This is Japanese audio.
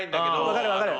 分かる分かる。